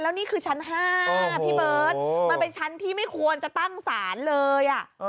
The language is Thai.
แล้วนี่คือชั้น๕พี่เบิร์ตมันเป็นชั้นที่ไม่ควรจะตั้งศาลเลย